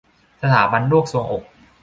สถาบันโรคทรวงอก